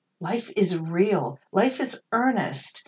Life is real ! Life is earnest